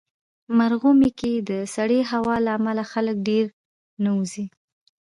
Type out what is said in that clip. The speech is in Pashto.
مرغومی کې د سړې هوا له امله خلک ډېر نه وځي.